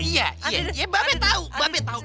iya iya mbak be tau mbak be tau